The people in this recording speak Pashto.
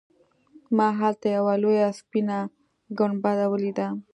ما هلته یوه لویه سپینه ګنبده ولیده.